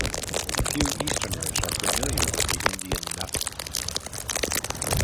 Few easterners are familiar with the Indian nut.